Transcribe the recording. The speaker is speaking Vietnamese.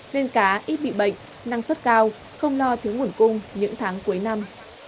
nên cá ít bị bệnh năng suất cao không lo thiếu nguồn cung những tháng cuối năm